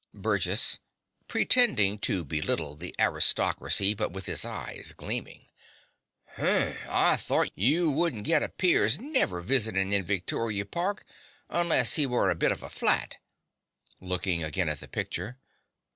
BURGESS (pretending to belittle the aristocracy, but with his eyes gleaming). Hm, I thort you wouldn't git a piorr's (peer's) nevvy visitin' in Victoria Park unless he were a bit of a flat. (Looking again at the picture.)